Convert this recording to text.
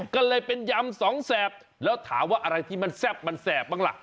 ก็เลยเป็นยำสองแสบแล้วถามว่าอะไรที่มันแซ่บมันแสบบ้างล่ะ